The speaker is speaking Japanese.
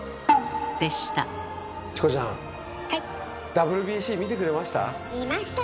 ＷＢＣ見てくれました？